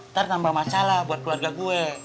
ntar tambah masalah buat keluarga gue